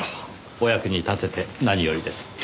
お役に立てて何よりです。